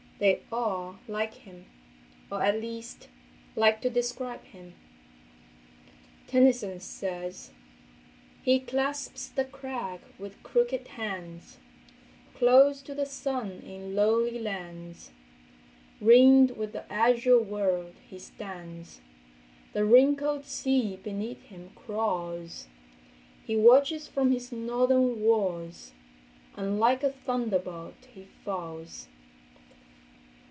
They all like him—or, at least, like to describe him. Tennyson says— He clasps the crag with crooked hands Close to the sun in lonely lands Ring'd with the azure world he stands. The wrinkled sea beneath him crawls, He watches from his northern walls, And like a thunderbolt he falls.